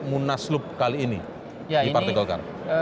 munaslup kali ini di partai golkar